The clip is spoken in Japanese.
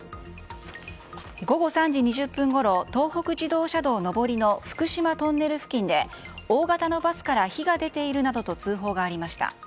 午後３時２０分ごろ東北自動車道上りの福島トンネル付近で大型のバスから火が出ているなどと通報がありました。